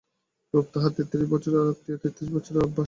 রূপ তাহার তেত্রিশ বছরের আত্বীয়, তেত্রিশ বছরের আভ্যাস।